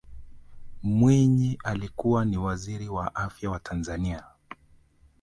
mwinyi alikuwa ni waziri wa afya wa tanzania